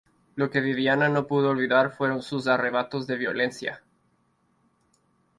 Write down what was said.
Lo que Viviana no pudo olvidar fueron sus arrebatos de violencia.